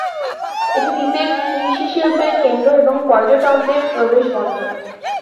এটি দ্বীপের কৃষি শিল্পের কেন্দ্র এবং পর্যটকদের প্রবেশ বন্দর।